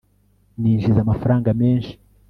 Ninjiza amafaranga menshi